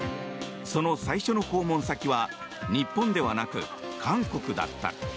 その最初の訪問先は日本ではなく韓国だった。